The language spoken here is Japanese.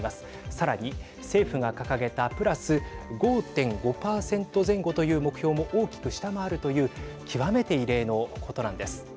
さらに、政府が掲げたプラス５．５％前後という目標も大きく下回るという極めて異例のことなんです。